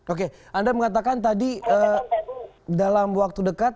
oke anda mengatakan tadi dalam waktu dekat